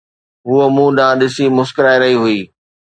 هوءَ مون ڏانهن ڏسي مسڪرائي رهي هئي